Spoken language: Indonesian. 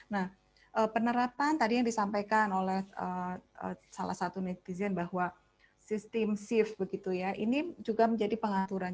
nah penerapan tadi yang disampaikan oleh salah satu netizen bahwa sistem shift begitu ya ini juga menjadi pengaturan